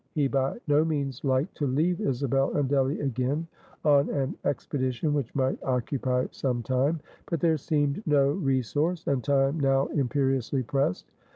He by no means liked to leave Isabel and Delly again, on an expedition which might occupy some time. But there seemed no resource, and time now imperiously pressed.